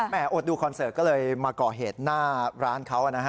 อดดูคอนเสิร์ตก็เลยมาก่อเหตุหน้าร้านเขานะฮะ